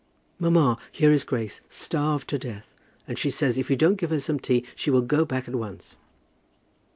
Mamma, here is Grace, starved to death; and she says if you don't give her some tea she will go back at once."